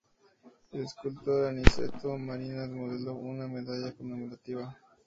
El escultor Aniceto Marinas modeló una medalla conmemorativa.